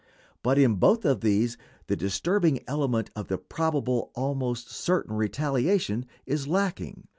But in both of these the disturbing element of probable, almost certain, retaliation is lacking.